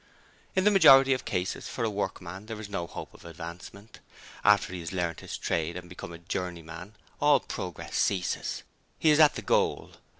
In the majority of cases, for a workman there is no hope of advancement. After he has learnt his trade and become a 'journeyman' all progress ceases. He is at the goal.